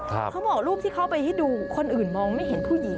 เขาบอกรูปที่เขาไปให้ดูคนอื่นมองไม่เห็นผู้หญิง